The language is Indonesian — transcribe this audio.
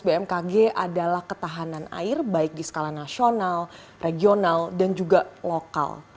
bmkg adalah ketahanan air baik di skala nasional regional dan juga lokal